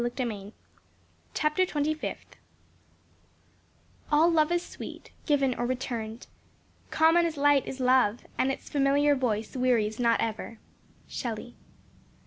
Chapter Twenty Fifth "All love is sweet, Given or returned. Common as light is love, And its familiar voice wearies not ever." SHELLEY.